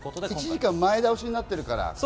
１時間前倒しになってるから。